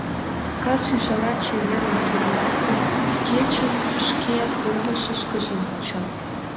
Кас ӱжара чеверын тӱрлалтын — кечым шке помышышкыжо вуча.